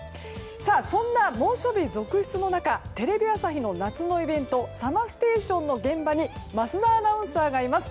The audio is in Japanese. そんな猛暑日続出の中テレビ朝日の夏のイベント「ＳＵＭＭＥＲＳＴＡＴＩＯＮ」の現場に桝田アナウンサーがいます。